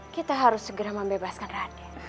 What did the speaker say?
kita harus segera membebaskan raden